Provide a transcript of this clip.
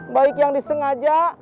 baik yang disengaja